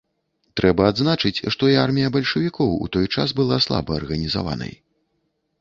Трэба адзначыць, што і армія бальшавікоў у той час была слаба арганізаванай.